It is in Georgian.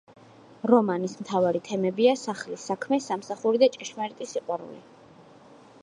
რომანის მთავარი თემებია: „სახლის საქმე, სამსახური და ჭეშმარიტი სიყვარული“.